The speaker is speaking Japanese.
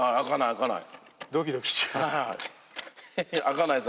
開かないです。